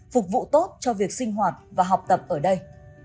phục vụ tốt cho việc sinh hoạt và học tập ở đây